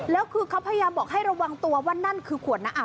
แล้วคือเขาพยายามบอกให้ระวังตัวว่านั่นคือขวดน้ำอาบ